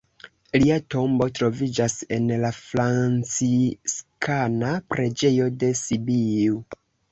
Lia tombo troviĝas en la Franciskana preĝejo de Sibiu.